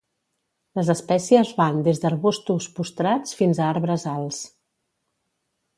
Les espècies van des d'arbustos postrats fins a arbres alts.